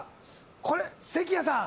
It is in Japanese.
これ関谷さん